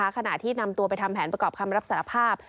ขณะที่นำตัวไปทำแผนประกอบคำรับสารภาพ